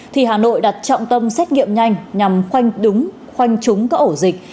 thì hà nội đặt trọng tâm xét nghiệm nhanh nhằm khoanh đúng khoanh trúng các ổ dịch